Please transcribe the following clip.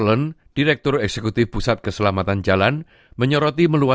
dan itu akan merupakan opsi yang paling aman untuk mereka